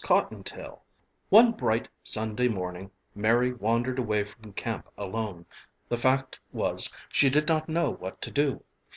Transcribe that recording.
COTTONTAIL ONE bright Sunday morning Mary wandered away from camp alone. The fact was she did not know what to do.